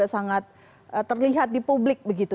sangat terlihat di publik begitu